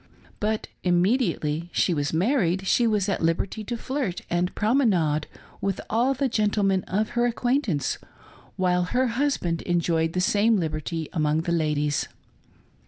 But immediately she was married she was at liberty to flirt and promenade with all the gentle men of her acquaintance, while her husband enjoyed the same liberty among the ladies.